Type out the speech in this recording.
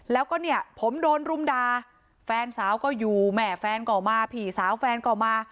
แล้วก็เนี่ยผมโดนรุมด่าแฟนสาวก็อยู่แม่แฟนก็มาพี่สาวแฟนก็มา